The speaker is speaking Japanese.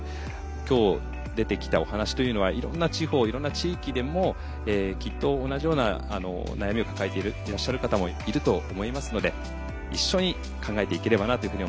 今日出てきたお話というのはいろんな地方いろんな地域でもきっと同じような悩みを抱えていらっしゃる方もいると思いますので一緒に考えていければなというふうに思っております。